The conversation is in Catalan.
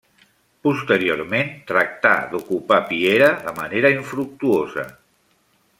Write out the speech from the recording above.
Posteriorment, tractà d'ocupar Piera de manera infructuosa.